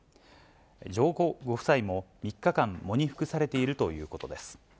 上皇ご夫妻も３日間、喪に服されているということです。